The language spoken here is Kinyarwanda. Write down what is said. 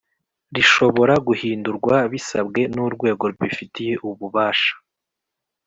rishobora guhindurwa bisabwe n’urwego rubifitiye ububasha.